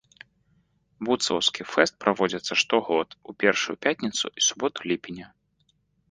Будслаўскі фэст праводзіцца штогод у першую пятніцу і суботу ліпеня.